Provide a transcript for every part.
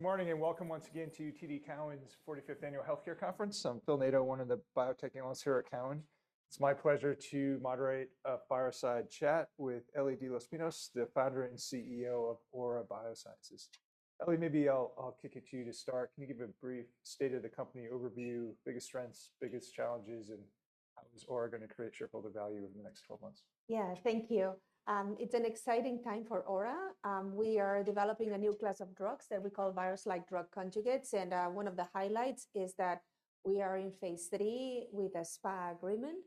Good morning and welcome once again to TD Cowen's 45th Annual Healthcare Conference. I'm Phil Nadeau, one of the biotech analysts here at Cowen. It's my pleasure to moderate a fireside chat with Ellie de los Pinos, the founder and CEO of Aura Biosciences. Ellie, maybe I'll kick it to you to start. Can you give a brief state of the company overview, biggest strengths, biggest challenges, and how is Aura going to create shareholder value in the next 12 months? Yeah, thank you. It's an exciting time for Aura. We are developing a new class of drugs that we call virus-like drug conjugates. One of the highlights is that we are in phase III with a SPA agreement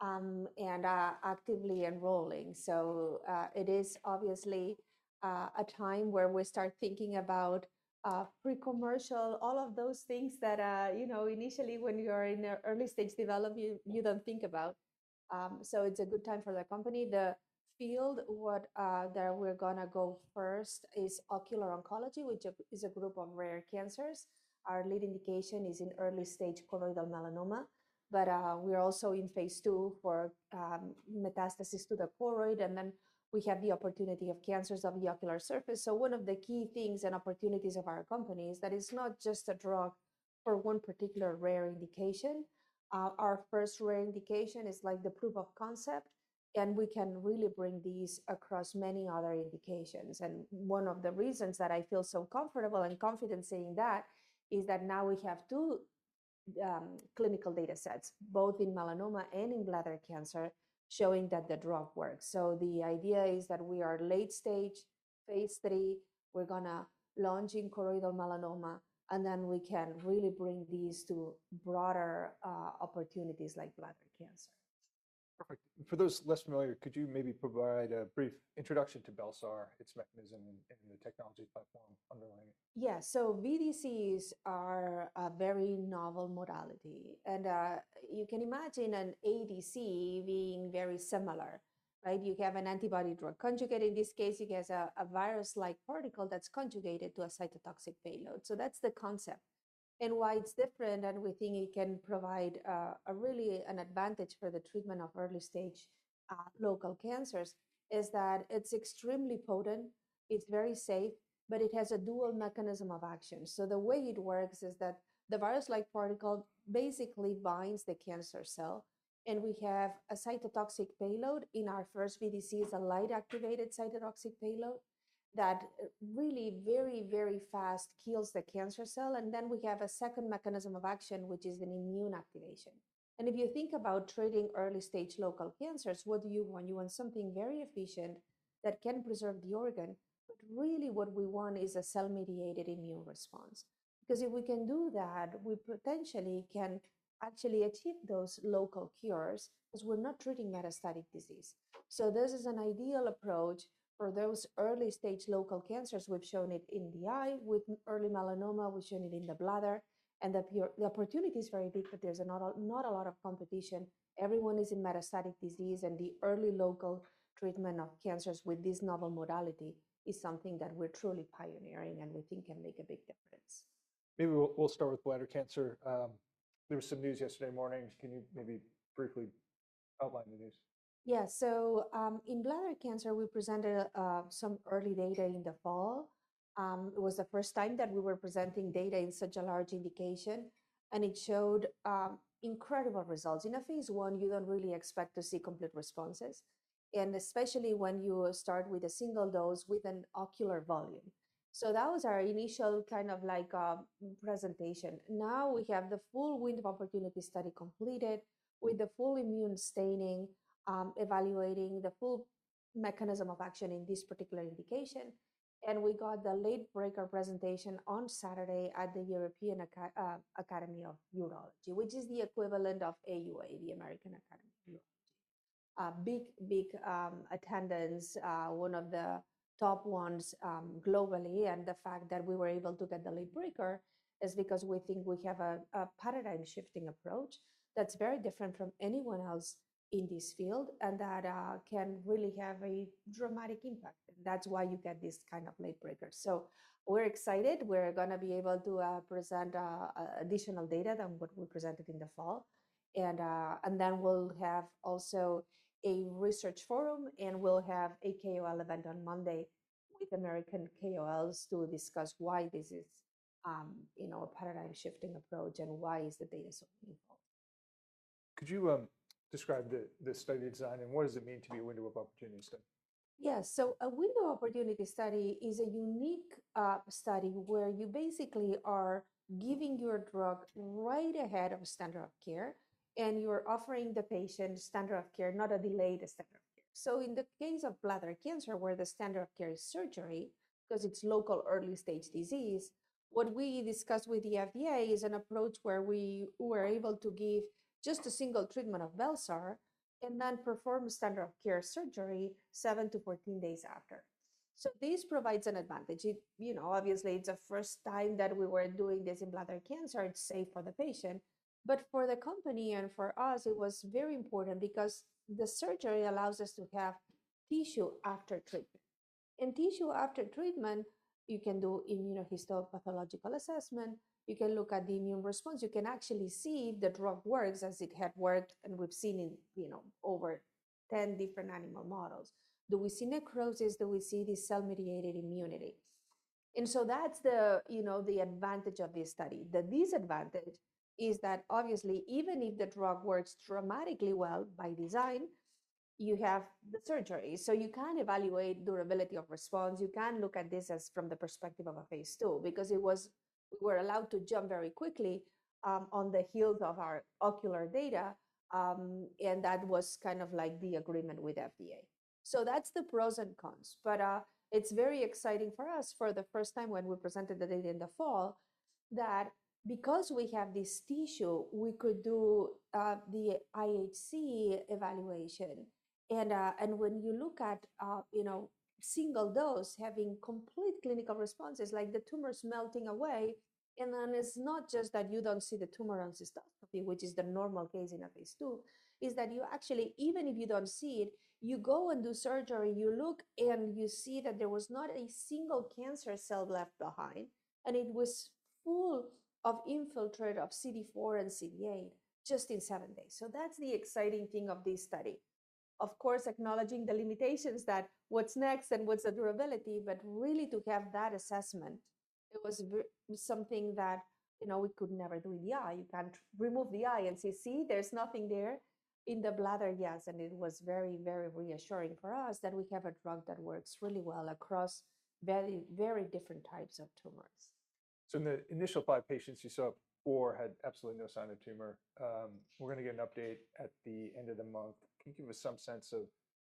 and actively enrolling. It is obviously a time where we start thinking about pre-commercial, all of those things that, you know, initially when you are in the early stage development, you don't think about. It's a good time for the company. The field that we're going to go first is ocular oncology, which is a group of rare cancers. Our lead indication is in early stage choroidal melanoma. We're also in phase II for metastasis to the choroid. We have the opportunity of cancers of the ocular surface. One of the key things and opportunities of our company is that it's not just a drug for one particular rare indication. Our first rare indication is like the proof of concept. We can really bring these across many other indications. One of the reasons that I feel so comfortable and confident saying that is that now we have two clinical data sets, both in melanoma and in bladder cancer, showing that the drug works. The idea is that we are late stage, phase III. We're going to launch in choroidal melanoma. We can really bring these to broader opportunities like bladder cancer. Perfect. For those less familiar, could you maybe provide a brief introduction to bel-sar, its mechanism, and the technology platform underlying it? Yeah, so VDCs are a very novel modality. You can imagine an ADC being very similar, right? You have an antibody-drug conjugate. In this case, it has a virus-like particle that's conjugated to a cytotoxic payload. That's the concept. Why it's different and we think it can provide really an advantage for the treatment of early stage local cancers is that it's extremely potent. It's very safe. It has a dual mechanism of action. The way it works is that the virus-like particle basically binds the cancer cell. We have a cytotoxic payload. In our first VDC, it's a light-activated cytotoxic payload that really very, very fast kills the cancer cell. We have a second mechanism of action, which is an immune activation. If you think about treating early stage local cancers, what do you want? You want something very efficient that can preserve the organ. What we want is a cell-mediated immune response. Because if we can do that, we potentially can actually achieve those local cures because we're not treating metastatic disease. This is an ideal approach for those early stage local cancers. We've shown it in the eye. With early melanoma, we've shown it in the bladder. The opportunity is very big, but there's not a lot of competition. Everyone is in metastatic disease. The early local treatment of cancers with this novel modality is something that we're truly pioneering and we think can make a big difference. Maybe we'll start with bladder cancer. There was some news yesterday morning. Can you maybe briefly outline the news? Yeah, so in bladder cancer, we presented some early data in the fall. It was the first time that we were presenting data in such a large indication. It showed incredible results. In a phase I, you do not really expect to see complete responses, and especially when you start with a single dose with an ocular volume. That was our initial kind of like presentation. Now we have the full window of opportunity study completed with the full immune staining, evaluating the full mechanism of action in this particular indication. We got the late breaker presentation on Saturday at the European Academy of Urology, which is the equivalent of AUA, the American Academy of Urology. Big, big attendance, one of the top ones globally. The fact that we were able to get the late breaker is because we think we have a paradigm-shifting approach that's very different from anyone else in this field and that can really have a dramatic impact. That is why you get this kind of late breaker. We are excited. We are going to be able to present additional data than what we presented in the fall. We will also have a research forum. We will have a KOL event on Monday with American KOLs to discuss why this is a paradigm-shifting approach and why the data is so meaningful. Could you describe the study design and what does it mean to be a window of opportunity study? Yeah, so a window of opportunity study is a unique study where you basically are giving your drug right ahead of standard of care. You are offering the patient standard of care, not a delayed standard of care. In the case of bladder cancer, where the standard of care is surgery because it is local early stage disease, what we discussed with the FDA is an approach where we were able to give just a single treatment of bel-sar and then perform a standard of care surgery 7-14 days after. This provides an advantage. You know, obviously, it is the first time that we were doing this in bladder cancer. It is safe for the patient. For the company and for us, it was very important because the surgery allows us to have tissue after treatment. In tissue after treatment, you can do immunohistopathological assessment. You can look at the immune response. You can actually see the drug works as it had worked and we've seen in over 10 different animal models. Do we see necrosis? Do we see the cell-mediated immunity? That is the advantage of this study. The disadvantage is that, obviously, even if the drug works dramatically well by design, you have the surgery. You can't evaluate durability of response. You can't look at this as from the perspective of a phase II because we were allowed to jump very quickly on the heels of our ocular data. That was kind of like the agreement with the FDA. That is the pros and cons. It is very exciting for us for the first time when we presented the data in the fall that because we have this tissue, we could do the IHC evaluation. When you look at a single dose having complete clinical responses, like the tumor's melting away, and then it's not just that you don't see the tumor on cystoscopy, which is the normal case in a phase II, you actually, even if you don't see it, you go and do surgery, you look, and you see that there was not a single cancer cell left behind. It was full of infiltrate of CD4 and CD8 just in seven days. That's the exciting thing of this study. Of course, acknowledging the limitations that what's next and what's the durability, but really to have that assessment, it was something that we could never do in the eye. You can't remove the eye and say, see, there's nothing there. In the bladder, yes. It was very, very reassuring for us that we have a drug that works really well across very, very different types of tumors. In the initial five patients you saw, four had absolutely no sign of tumor. We're going to get an update at the end of the month. Can you give us some sense of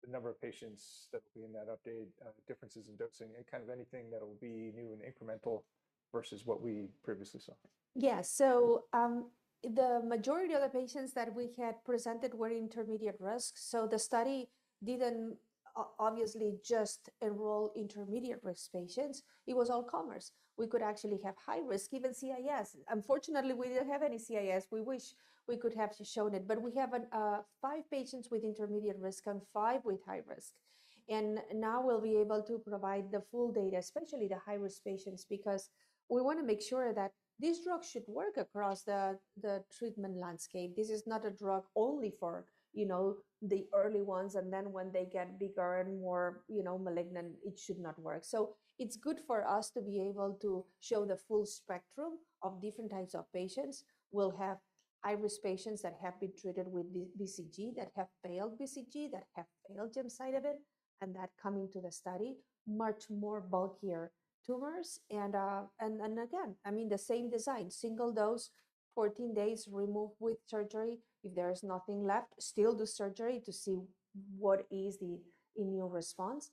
the number of patients that will be in that update, differences in dosing, and kind of anything that will be new and incremental versus what we previously saw? Yeah, so the majority of the patients that we had presented were intermediate risk. The study did not obviously just enroll intermediate risk patients. It was all comers. We could actually have high risk, even CIS. Unfortunately, we did not have any CIS. We wish we could have shown it. We have five patients with intermediate risk and five with high risk. Now we will be able to provide the full data, especially the high-risk patients, because we want to make sure that this drug should work across the treatment landscape. This is not a drug only for the early ones. When they get bigger and more malignant, it should not work. It is good for us to be able to show the full spectrum of different types of patients. We'll have high-risk patients that have been treated with BCG, that have failed BCG, that have failed gemcitabine, and that come into the study, much more bulkier tumors. I mean, the same design, single dose, 14 days removed with surgery. If there is nothing left, still do surgery to see what is the immune response.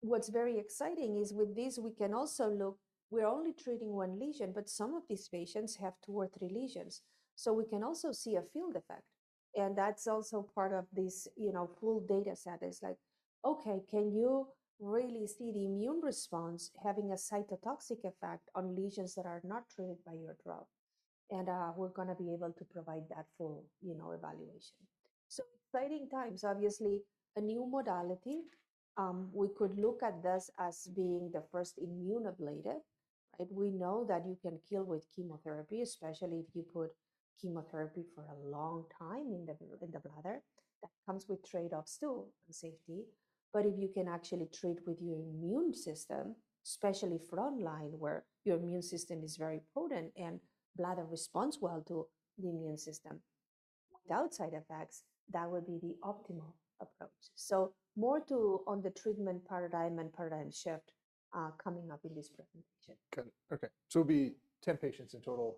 What is very exciting is with this, we can also look, we're only treating one lesion, but some of these patients have two or three lesions. We can also see a field effect. That is also part of this full data set, like, okay, can you really see the immune response having a cytotoxic effect on lesions that are not treated by your drug? We're going to be able to provide that full evaluation. Exciting times, obviously, a new modality. We could look at this as being the first immune ablated. We know that you can kill with chemotherapy, especially if you put chemotherapy for a long time in the bladder. That comes with trade-offs too, safety. If you can actually treat with your immune system, especially frontline, where your immune system is very potent and bladder responds well to the immune system without side effects, that would be the optimal approach. More to on the treatment paradigm and paradigm shift coming up in this presentation. Okay. So it'll be 10 patients in total,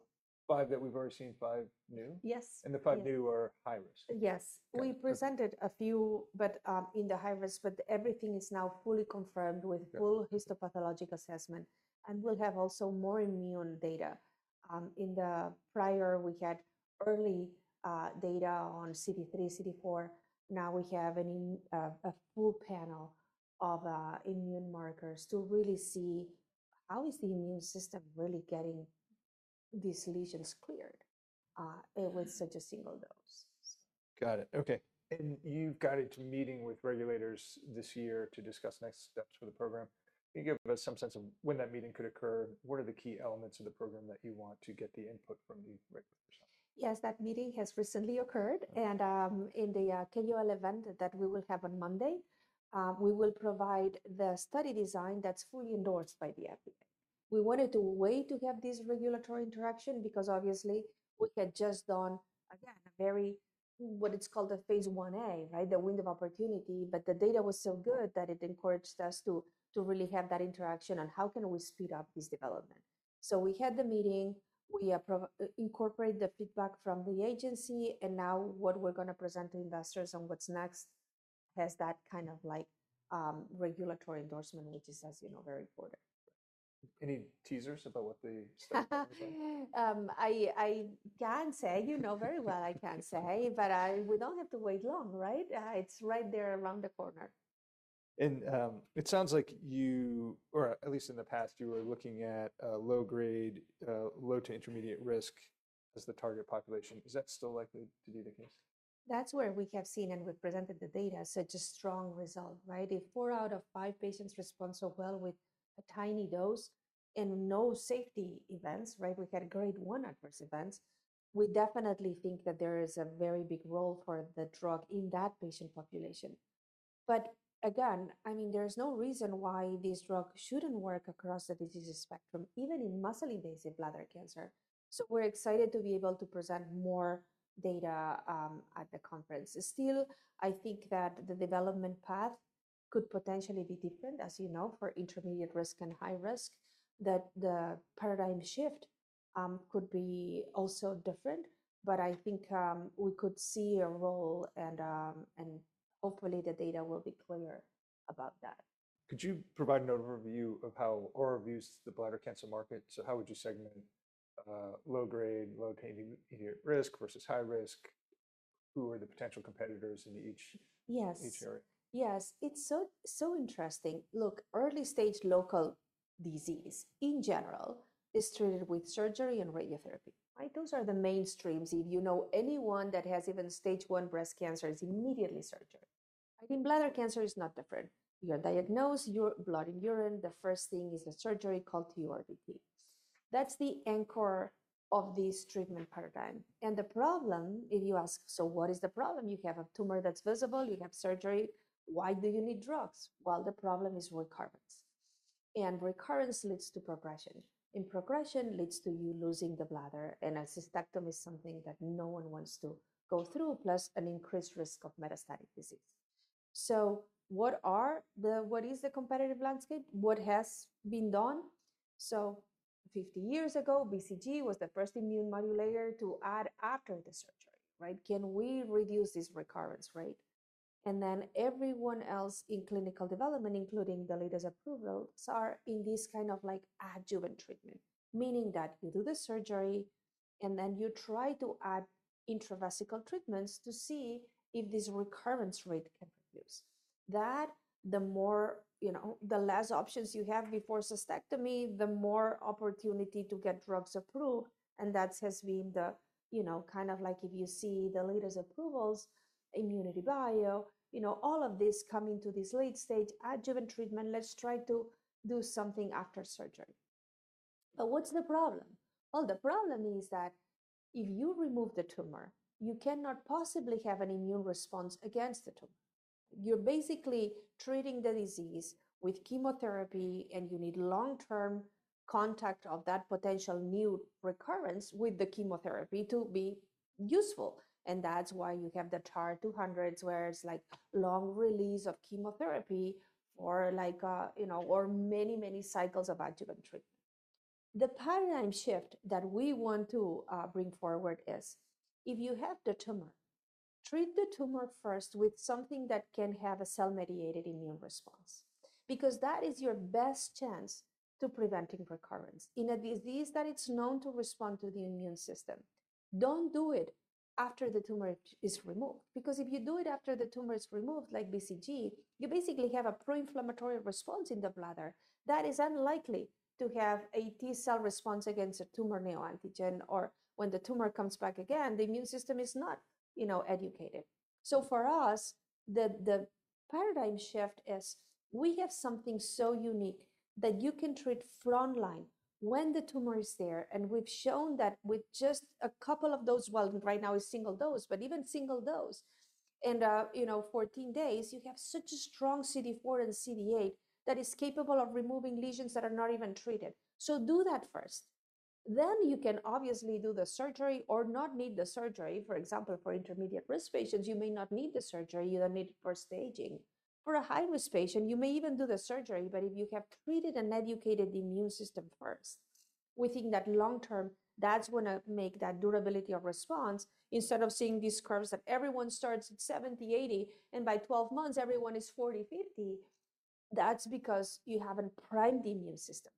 five that we've already seen, five new? Yes. The five new are high risk? Yes. We presented a few, but in the high risk, everything is now fully confirmed with full histopathologic assessment. We will have also more immune data. In the prior, we had early data on CD3, CD4. Now we have a full panel of immune markers to really see how is the immune system really getting these lesions cleared with such a single dose. Got it. Okay. You have gotten into meeting with regulators this year to discuss next steps for the program. Can you give us some sense of when that meeting could occur? What are the key elements of the program that you want to get the input from the regulators? Yes, that meeting has recently occurred. In the KOL event that we will have on Monday, we will provide the study design that's fully endorsed by the FDA. We wanted to wait to have this regulatory interaction because obviously, we had just done, again, a very, what it's called a phase Ia, right, the window of opportunity. The data was so good that it encouraged us to really have that interaction on how can we speed up this development. We had the meeting. We incorporate the feedback from the agency. Now what we're going to present to investors on what's next has that kind of regulatory endorsement, which is, as you know, very important. Any teasers about what the study is going to be like? I can't say. You know very well I can't say. But we don't have to wait long, right? It's right there around the corner. It sounds like you, or at least in the past, you were looking at low-grade, low-to-intermediate risk as the target population. Is that still likely to be the case? That's where we have seen and we've presented the data, such a strong result, right? If four out of five patients respond so well with a tiny dose and no safety events, right, we had grade one adverse events, we definitely think that there is a very big role for the drug in that patient population. Again, I mean, there is no reason why this drug shouldn't work across the disease spectrum, even in muscle-invasive bladder cancer. We are excited to be able to present more data at the conference. Still, I think that the development path could potentially be different, as you know, for intermediate risk and high risk, that the paradigm shift could be also different. I think we could see a role. Hopefully, the data will be clear about that. Could you provide an overview of how Aura views the bladder cancer market? How would you segment low-grade, low-to-intermediate risk versus high risk? Who are the potential competitors in each area? Yes. It's so interesting. Look, early stage local disease in general is treated with surgery and radiotherapy. Those are the mainstreams. If you know anyone that has even stage one breast cancer, it's immediately surgery. In bladder cancer, it's not different. You're diagnosed, you're blood and urine. The first thing is a surgery called TURBT. That's the anchor of this treatment paradigm. The problem, if you ask, so what is the problem? You have a tumor that's visible. You have surgery. Why do you need drugs? Well, the problem is recurrence. Recurrence leads to progression. Progression leads to you losing the bladder. A cystectomy is something that no one wants to go through, plus an increased risk of metastatic disease. What is the competitive landscape? What has been done? Fifty years ago, BCG was the first immune modulator to add after the surgery, right? Can we reduce this recurrence rate? Everyone else in clinical development, including the latest approvals, are in this kind of like adjuvant treatment, meaning that you do the surgery, and then you try to add intravesical treatments to see if this recurrence rate can reduce. The less options you have before cystectomy, the more opportunity to get drugs approved. That has been the kind of like if you see the latest approvals, ImmunityBio, all of this coming to this late stage adjuvant treatment, let's try to do something after surgery. What's the problem? The problem is that if you remove the tumor, you cannot possibly have an immune response against the tumor. You're basically treating the disease with chemotherapy, and you need long-term contact of that potential new recurrence with the chemotherapy to be useful. That is why you have the TAR-200, where it is like long release of chemotherapy or many, many cycles of adjuvant treatment. The paradigm shift that we want to bring forward is if you have the tumor, treat the tumor first with something that can have a cell-mediated immune response, because that is your best chance to prevent recurrence in a disease that is known to respond to the immune system. Do not do it after the tumor is removed. Because if you do it after the tumor is removed, like BCG, you basically have a pro-inflammatory response in the bladder that is unlikely to have a T cell response against a tumor neoantigen or when the tumor comes back again, the immune system is not educated. For us, the paradigm shift is we have something so unique that you can treat frontline when the tumor is there. We have shown that with just a couple of those, right now it is single dose, but even single dose in 14 days, you have such a strong CD4 and CD8 that is capable of removing lesions that are not even treated. Do that first. You can obviously do the surgery or not need the surgery. For example, for intermediate risk patients, you may not need the surgery. You do not need it for staging. For a high-risk patient, you may even do the surgery, but if you have treated an educated immune system first, we think that long-term, that is going to make that durability of response. Instead of seeing these curves that everyone starts at 70, 80, and by 12 months, everyone is 40-50, that is because you have not primed the immune system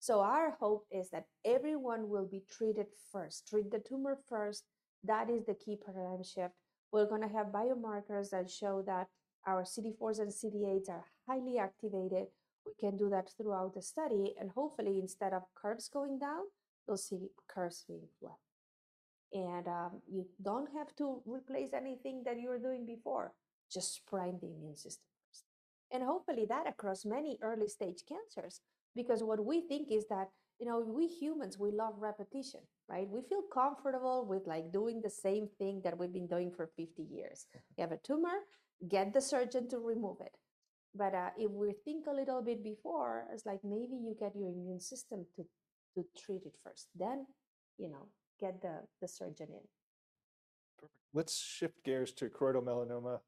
first. Our hope is that everyone will be treated first, treat the tumor first. That is the key paradigm shift. We're going to have biomarkers that show that our CD4s and CD8s are highly activated. We can do that throughout the study. Hopefully, instead of curves going down, you'll see curves being flat. You don't have to replace anything that you were doing before, just primed the immune system first. Hopefully, that across many early-stage cancers, because what we think is that we humans, we love repetition, right? We feel comfortable with doing the same thing that we've been doing for 50 years. You have a tumor, get the surgeon to remove it. If we think a little bit before, it's like maybe you get your immune system to treat it first, then get the surgeon in. Let's shift gears to choroidal melanoma.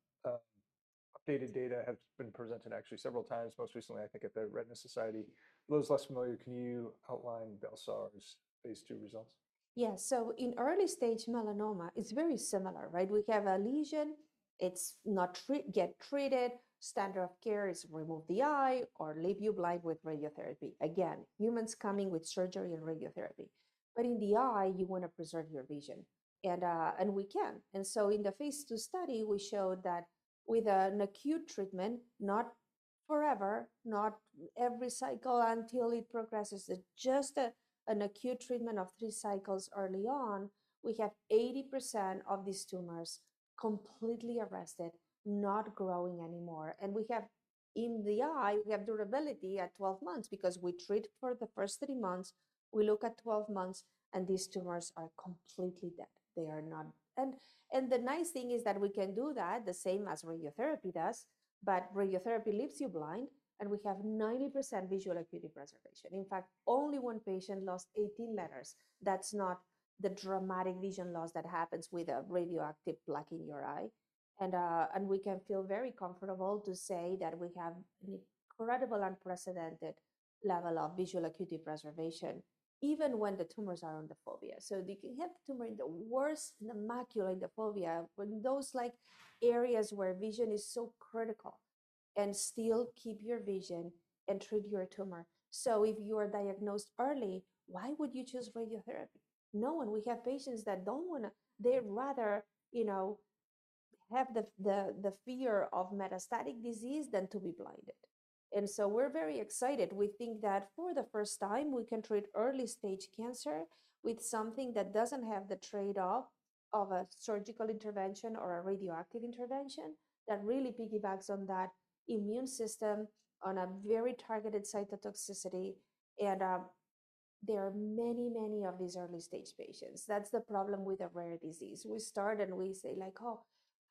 Updated data has been presented actually several times, most recently, I think, at the Retina Society. For those less familiar, can you outline bel-sar's phase II results? Yeah. In early-stage melanoma, it's very similar, right? We have a lesion. It's not yet treated. Standard of care is remove the eye or leave you blind with radiotherapy. Again, humans coming with surgery and radiotherapy. In the eye, you want to preserve your vision. And we can. In the phase II study, we showed that with an acute treatment, not forever, not every cycle until it progresses, just an acute treatment of three cycles early on, we have 80% of these tumors completely arrested, not growing anymore. In the eye, we have durability at 12 months because we treat for the first three months. We look at 12 months, and these tumors are completely dead. They are not. The nice thing is that we can do that the same as radiotherapy does, but radiotherapy leaves you blind, and we have 90% visual acuity preservation. In fact, only one patient lost 18 letters. That's not the dramatic vision loss that happens with a radioactive plaque in your eye. We can feel very comfortable to say that we have an incredible unprecedented level of visual acuity preservation, even when the tumors are on the fovea. You can have the tumor in the worst, in the macula, in the fovea, in those areas where vision is so critical, and still keep your vision and treat your tumor. If you are diagnosed early, why would you choose radiotherapy? No one. We have patients that do not want to. They rather have the fear of metastatic disease than to be blinded. We are very excited. We think that for the first time, we can treat early-stage cancer with something that does not have the trade-off of a surgical intervention or a radioactive intervention that really piggybacks on that immune system on a very targeted cytotoxicity. There are many, many of these early-stage patients. That is the problem with a rare disease. We start and we say, like, oh,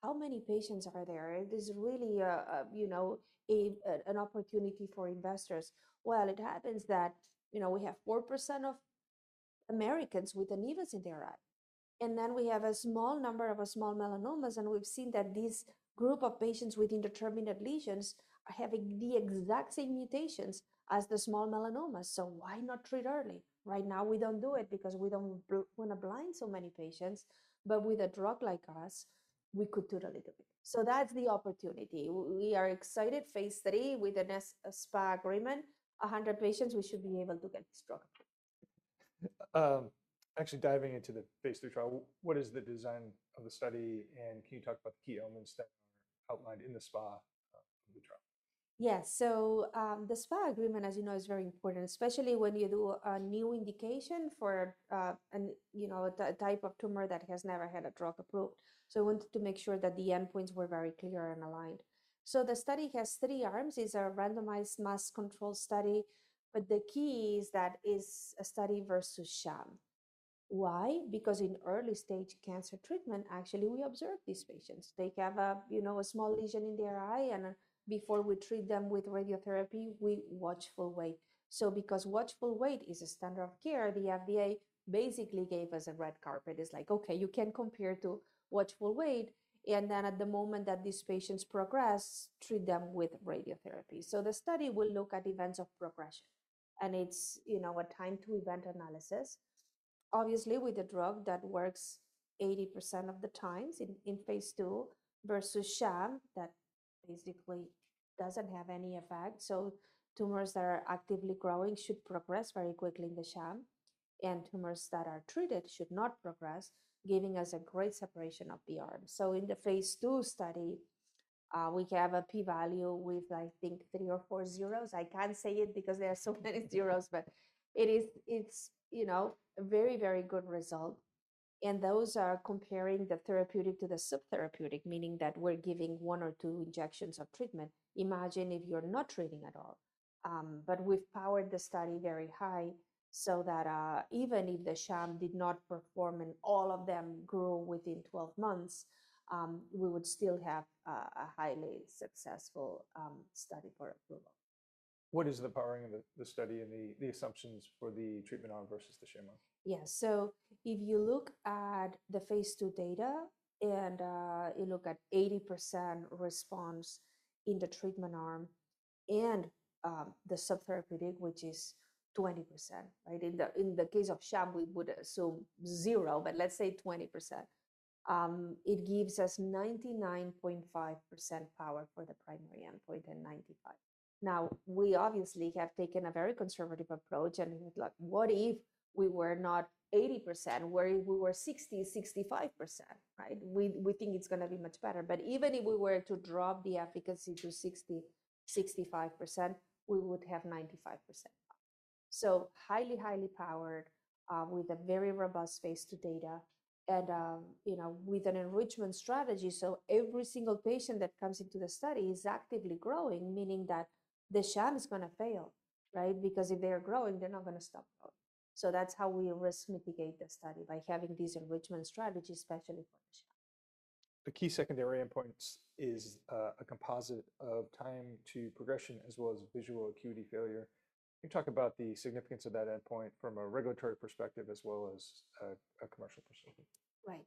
how many patients are there? It is really an opportunity for investors. It happens that we have 4% of Americans with a nevus in their eye. Then we have a small number of small melanomas. We have seen that this group of patients with indeterminate lesions are having the exact same mutations as the small melanomas. Why not treat early? Right now, we do not do it because we do not want to blind so many patients. With a drug like us, we could do it a little bit. That is the opportunity. We are excited. phase III with the SPA agreement, 100 patients, we should be able to get this drug approved. Actually diving into the phase III trial, what is the design of the study? And can you talk about the key elements that are outlined in the SPA trial? Yes. The SPA agreement, as you know, is very important, especially when you do a new indication for a type of tumor that has never had a drug approved. I wanted to make sure that the endpoints were very clear and aligned. The study has three arms. It is a randomized mass control study. The key is that it is a study versus sham. Why? In early-stage cancer treatment, actually, we observe these patients. They have a small lesion in their eye. Before we treat them with radiotherapy, we watchful wait. Because watchful wait is a standard of care, the FDA basically gave us a red carpet. It is like, okay, you can compare to watchful wait. At the moment that these patients progress, treat them with radiotherapy. The study will look at events of progression. It's a time-to-event analysis, obviously, with a drug that works 80% of the times in phase II versus sham that basically doesn't have any effect. Tumors that are actively growing should progress very quickly in the sham. Tumors that are treated should not progress, giving us a great separation of the arms. In the phase II study, we have a p-value with, I think, three or four zeros. I can't say it because there are so many zeros, but it's a very, very good result. Those are comparing the therapeutic to the subtherapeutic, meaning that we're giving one or two injections of treatment. Imagine if you're not treating at all. We've powered the study very high so that even if the sham did not perform and all of them grew within 12 months, we would still have a highly successful study for approval. What is the powering of the study and the assumptions for the treatment arm versus the sham arm? Yeah. If you look at the phase II data and you look at 80% response in the treatment arm and the subtherapeutic, which is 20%, right? In the case of sham, we would assume zero, but let's say 20%. It gives us 99.5% power for the primary endpoint and 95. Now, we obviously have taken a very conservative approach. It's like, what if we were not 80%? Where if we were 60%-65%, right? We think it's going to be much better. Even if we were to drop the efficacy to 60%-65%, we would have 95% power. Highly, highly powered with a very robust phase II data and with an enrichment strategy. Every single patient that comes into the study is actively growing, meaning that the sham is going to fail, right? Because if they are growing, they're not going to stop growing. That is how we risk mitigate the study by having these enrichment strategies, especially for the sham. The key secondary endpoint is a composite of time to progression as well as visual acuity failure. Can you talk about the significance of that endpoint from a regulatory perspective as well as a commercial perspective? Right.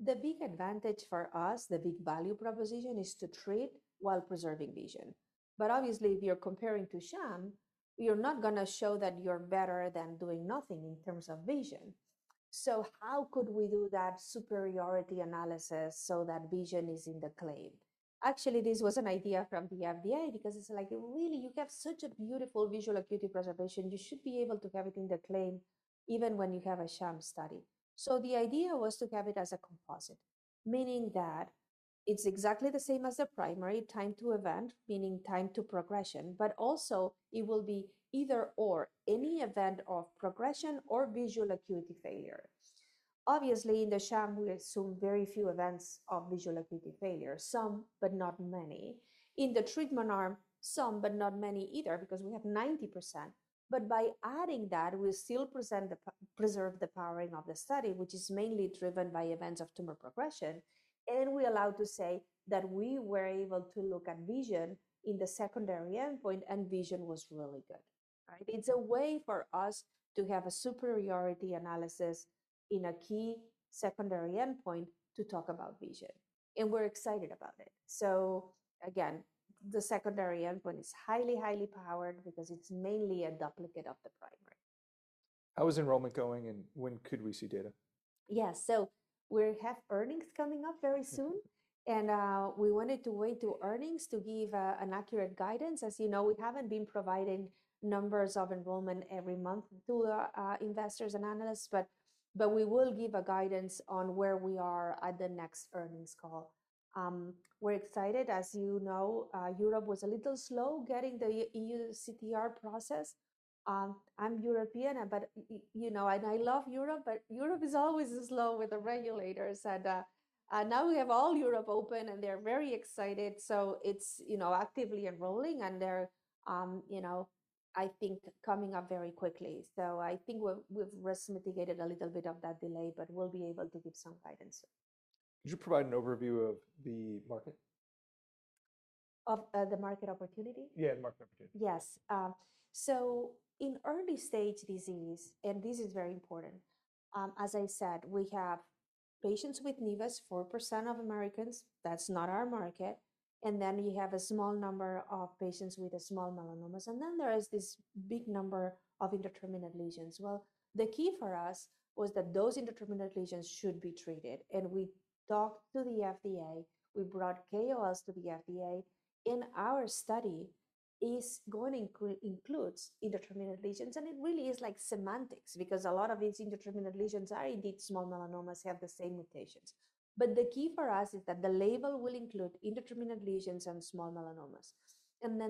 The big advantage for us, the big value proposition, is to treat while preserving vision. Obviously, if you're comparing to sham, you're not going to show that you're better than doing nothing in terms of vision. How could we do that superiority analysis so that vision is in the claim? Actually, this was an idea from the FDA because it's like, really, you have such a beautiful visual acuity preservation. You should be able to have it in the claim even when you have a sham study. The idea was to have it as a composite, meaning that it's exactly the same as the primary time to event, meaning time to progression, but also it will be either/or, any event of progression or visual acuity failure. Obviously, in the sham, we assume very few events of visual acuity failure, some but not many. In the treatment arm, some but not many either because we have 90%. By adding that, we still preserve the powering of the study, which is mainly driven by events of tumor progression. We are allowed to say that we were able to look at vision in the secondary endpoint, and vision was really good. It is a way for us to have a superiority analysis in a key secondary endpoint to talk about vision. We are excited about it. The secondary endpoint is highly, highly powered because it is mainly a duplicate of the primary. How is enrollment going, and when could we see data? Yeah. We have earnings coming up very soon. We wanted to wait to earnings to give an accurate guidance. As you know, we haven't been providing numbers of enrollment every month to investors and analysts, but we will give guidance on where we are at the next earnings call. We're excited. As you know, Europe was a little slow getting the EU CTR process. I'm European, and I love Europe, but Europe is always slow with the regulators. Now we have all Europe open, and they're very excited. It's actively enrolling, and they're, I think, coming up very quickly. I think we've risk mitigated a little bit of that delay, but we'll be able to give some guidance. Could you provide an overview of the market? Of the market opportunity? Yeah, the market opportunity. Yes. In early-stage disease, and this is very important, as I said, we have patients with nevus, 4% of Americans. That's not our market. You have a small number of patients with small melanomas. There is this big number of indeterminate lesions. The key for us was that those indeterminate lesions should be treated. We talked to the FDA. We brought KOLs to the FDA. In our study, it includes indeterminate lesions. It really is like semantics because a lot of these indeterminate lesions are indeed small melanomas, have the same mutations. The key for us is that the label will include indeterminate lesions and small melanomas.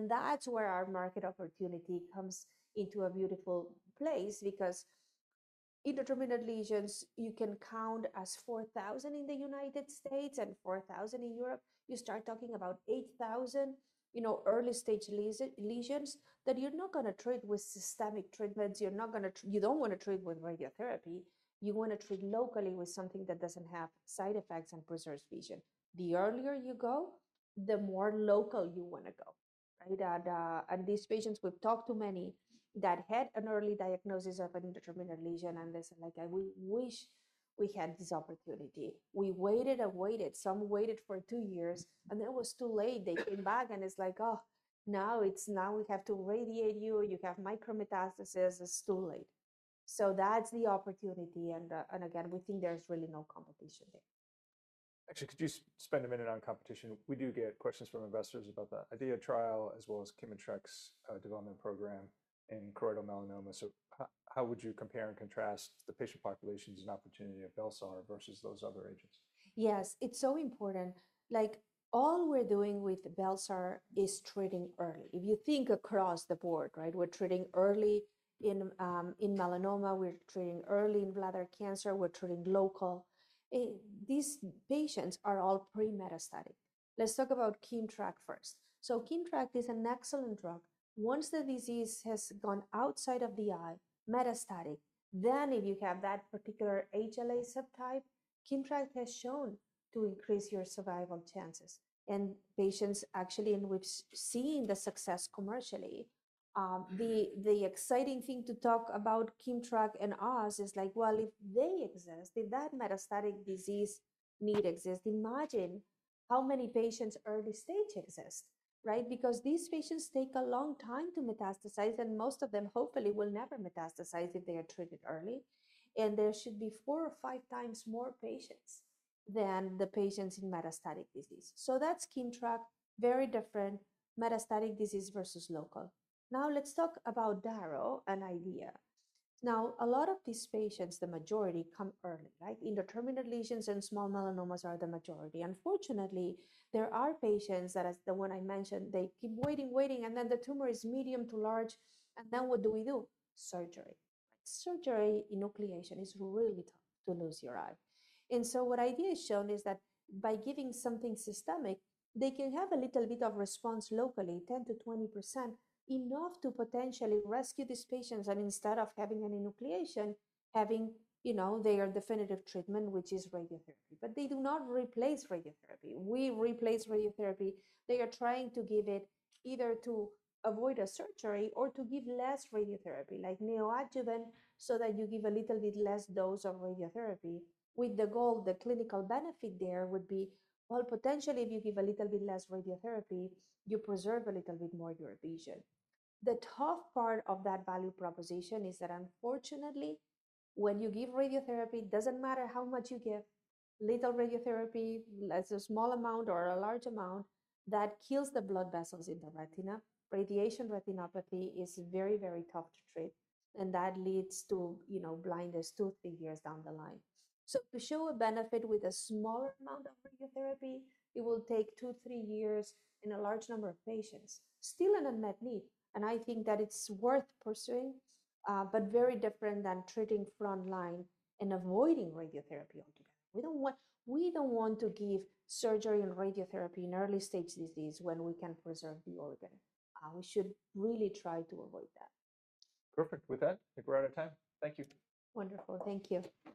That's where our market opportunity comes into a beautiful place because indeterminate lesions, you can count as 4,000 in the United States and 4,000 in Europe. You start talking about 8,000 early-stage lesions that you're not going to treat with systemic treatments. You don't want to treat with radiotherapy. You want to treat locally with something that doesn't have side effects and preserves vision. The earlier you go, the more local you want to go, right? These patients, we've talked to many that had an early diagnosis of an indeterminate lesion. They said, like, "I wish we had this opportunity." We waited and waited. Some waited for two years, and then it was too late. They came back, and it's like, "Oh, now we have to radiate you. You have micrometastasis. It's too late." That's the opportunity. Again, we think there's really no competition there. Actually, could you spend a minute on competition? We do get questions from investors about the IDEAYA trial as well as ChemIntra's development program in choroidal melanoma. How would you compare and contrast the patient populations and opportunity of bel-sar versus those other agents? Yes. It's so important. All we're doing with bel-sar is treating early. If you think across the board, right, we're treating early in melanoma. We're treating early in bladder cancer. We're treating local. These patients are all pre-metastatic. Let's talk about Kimmtrak first. Kimmtrak is an excellent drug. Once the disease has gone outside of the eye, metastatic, then if you have that particular HLA subtype, Kimmtrak has shown to increase your survival chances. Actually, we've seen the success commercially. The exciting thing to talk about Kimmtrak and us is like, if they exist, did that metastatic disease need exist? Imagine how many patients early-stage exist, right? Because these patients take a long time to metastasize, and most of them, hopefully, will never metastasize if they are treated early. There should be four or five times more patients than the patients in metastatic disease. That's ChemIntra. Very different. Metastatic disease versus local. Now let's talk about Darovasertib and IDEAYA. Now, a lot of these patients, the majority, come early, right? Indeterminate lesions and small melanomas are the majority. Unfortunately, there are patients that, as the one I mentioned, they keep waiting, waiting, and then the tumor is medium to large. What do we do? Surgery. Surgery, enucleation is really tough to lose your eye. What IDEAYA has shown is that by giving something systemic, they can have a little bit of response locally, 10%-20%, enough to potentially rescue these patients. Instead of having an enucleation, having their definitive treatment, which is radiotherapy. They do not replace radiotherapy. We replace radiotherapy. They are trying to give it either to avoid a surgery or to give less radiotherapy, like neoadjuvant, so that you give a little bit less dose of radiotherapy with the goal. The clinical benefit there would be, well, potentially, if you give a little bit less radiotherapy, you preserve a little bit more your vision. The tough part of that value proposition is that, unfortunately, when you give radiotherapy, it does not matter how much you give. Little radiotherapy, a small amount or a large amount, that kills the blood vessels in the retina. Radiation retinopathy is very, very tough to treat. That leads to blindness, two to three years down the line. To show a benefit with a small amount of radiotherapy, it will take two, three years in a large number of patients, still in a met need. I think that it's worth pursuing, but very different than treating frontline and avoiding radiotherapy altogether. We don't want to give surgery and radiotherapy in early-stage disease when we can preserve the organ. We should really try to avoid that. Perfect. With that, I think we're out of time. Thank you. Wonderful. Thank you.